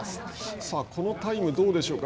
さあ、このタイム、どうでしょうか。